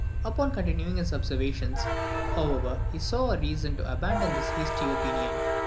Upon continuing his observations, however, he saw reason to abandon this hasty opinion.